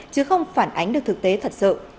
chứ không phản ánh được thực tế thật sự